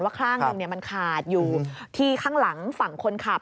ข้างหนึ่งมันขาดอยู่ที่ข้างหลังฝั่งคนขับ